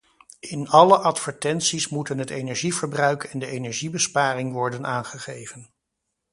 In alle advertenties moeten het energieverbruik en de energiebesparing worden aangegeven.